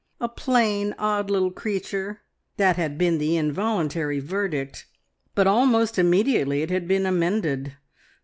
A plain, odd little creature, that had been the involuntary verdict, but almost immediately it had been amended.